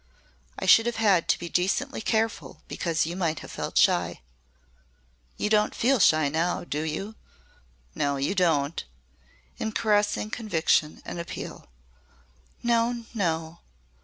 I should have had to be decently careful because you might have felt shy. You don't feel shy now, do you? No, you don't," in caressing conviction and appeal. "No no."